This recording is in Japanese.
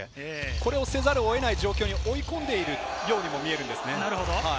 これをせざるを得ない状況に追い込んでいるようにも見えるんですね。